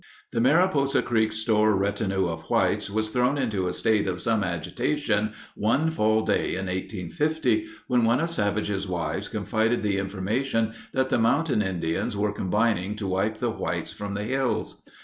The Mariposa Creek store retinue of whites was thrown into a state of some agitation one fall day in 1850 when one of Savage's wives confided the information that the mountain Indians were combining to wipe the whites from the hills.